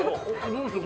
どうする？